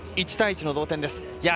１対１の同点です。